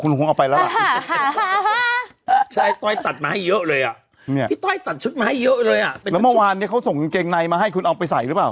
แล้วเมื่อวานเมื่อกลุ่มเขาส่งกางกรรมนายมานะคุณเอาไปใส่หรือเปล่า